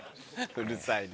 うるさいね。